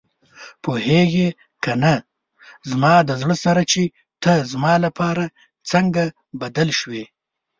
پوهېږې کنه زما د زړه سره چې ته زما لپاره څنګه بدل شوې.